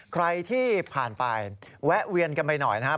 ใครที่ผ่านไปแวะเวียนกันไปหน่อยนะครับ